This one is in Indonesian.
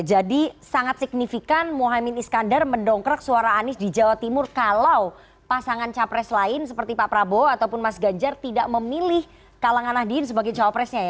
jadi sangat signifikan muhamad iskandar mendongkrak suara anies di jawa timur kalau pasangan capres lain seperti pak prabowo ataupun mas ganjar tidak memilih kalangan nahdien sebagai cawapresnya ya